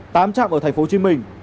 tám trạm ở thành phố hồ chí minh